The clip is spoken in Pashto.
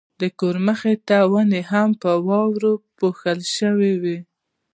د کور مخې ته ونې هم په واورو پوښل شوې وې.